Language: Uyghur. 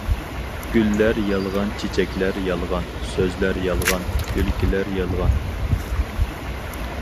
گۈللەر يالغان چېچەكلەر يالغان، سۆزلەر يالغان، كۈلكىلەر يالغان.